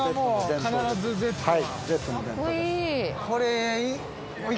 これ。